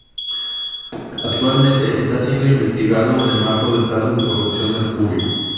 Actualmente, está siendo investigado en el marco del caso de corrupción Mercurio.